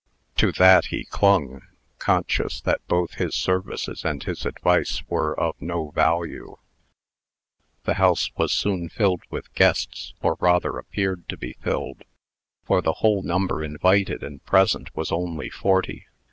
To that he clung, conscious that both his services and his advice were of no value. The house was soon filled with guests or rather appeared to be filled, for the whole number invited and present was only forty.